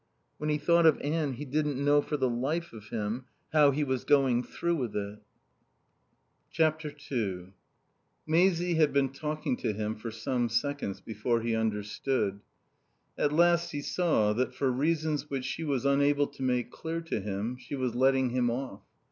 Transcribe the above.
When he thought of Anne he didn't know for the life of him how he was going through with it. ii Maisie had been talking to him for some seconds before he understood. At last he saw that, for reasons which she was unable to make clear to him, she was letting him off.